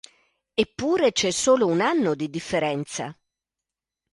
Eppure c'è solo un anno di differenza...